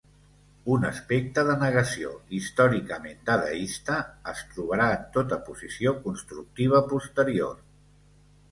Un aspecte de negació, històricament dadaista, es trobarà en tota posició constructiva posterior.